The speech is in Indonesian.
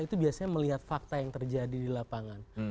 itu biasanya melihat fakta yang terjadi di lapangan